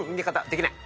できない。